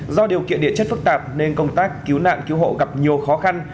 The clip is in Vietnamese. do điều kiện địa chất phức tạp nên công tác cứu nạn cứu hộ gặp nhiều khó khăn